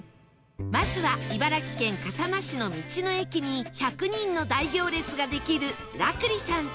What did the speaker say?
まずは茨城県笠間市の道の駅に１００人の大行列ができる楽栗さん